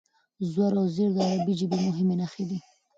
زور او زېر د عربي ژبې مهمې نښې دي.